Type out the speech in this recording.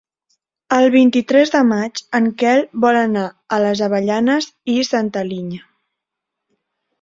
El vint-i-tres de maig en Quel vol anar a les Avellanes i Santa Linya.